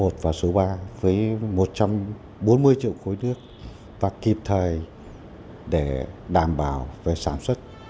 bốn mươi triệu khối nước và kịp thời để đảm bảo về sản xuất